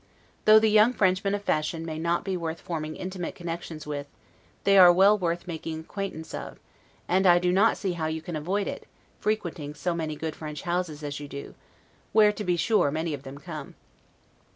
Though the young Frenchmen of fashion may not be worth forming intimate connections with, they are well worth making acquaintance of; and I do not see how you can avoid it, frequenting so many good French houses as you do, where, to be sure, many of them come.